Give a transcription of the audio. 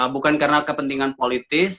bukan karena kepentingan politis